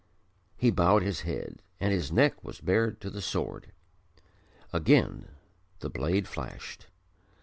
He bowed his head and his neck was bared to the sword. Again the blade flashed.